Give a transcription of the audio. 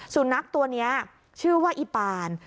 สุนัขตัวนี้ชื่อว่าอีปาน